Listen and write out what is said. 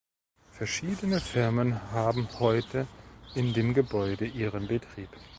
Verschiedene Firmen haben heute in dem Gebäude ihren Betrieb.